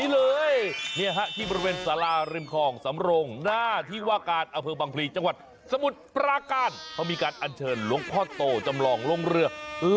และโดดไปที่เรือ